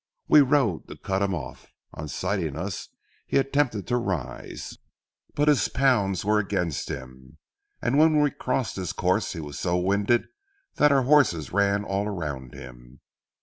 We rode to cut him off. On sighting us, he attempted to rise; but his pounds were against him, and when we crossed his course he was so winded that our horses ran all around him.